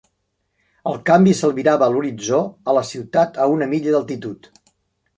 El canvi s'albirava a l'horitzó a la ciutat a una milla d'altitud.